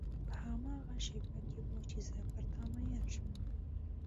په هماغه شېبه کې و چې زه پر تا مینه شوم.